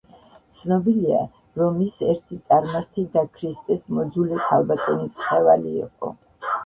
ცნობილია, რომ ის ერთი წარმართი და ქრისტეს მოძულე ქალბატონის მხევალი იყო.